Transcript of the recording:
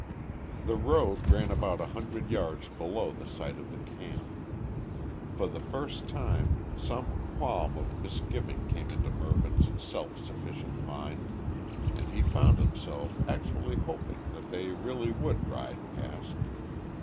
The road ran about a hundred yards below the site of the camp. For the first time some qualm of misgiving came into Mervyn's self sufficient mind, and he found himself actually hoping that they really would ride past.